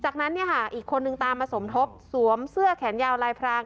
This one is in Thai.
จากนั้นเนี่ยค่ะอีกคนนึงตามมาสมทบสวมเสื้อแขนยาวลายพราง